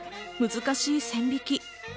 難しい線引き。